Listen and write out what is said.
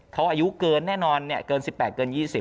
เขาอายุเกินแน่นอนเกิน๑๘เกิน๒๐